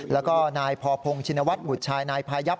แล้วก็นายพอพงศ์ชินวัฒนบุตรชายนายพายับ